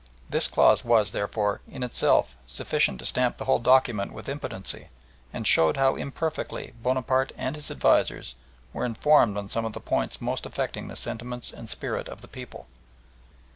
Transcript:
This clause was, therefore, in itself sufficient to stamp the whole document with impotency, and showed how imperfectly Bonaparte and his advisers were informed on some of the points most affecting the sentiments and spirit of the people.